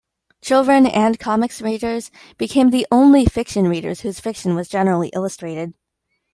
Children and comics readers became the only fiction readers whose fiction was generally illustrated.